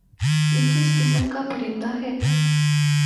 یہ کس قِسم کا پرندہ ہے؟